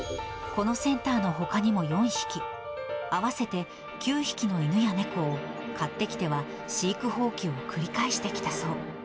このセンターのほかにも４匹、合わせて９匹の犬や猫を、買ってきては飼育放棄を繰り返してきたそう。